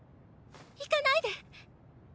行かないで。